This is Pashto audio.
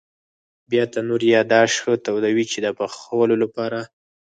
بیا تنور یا داش ښه تودوي د پخولو لپاره.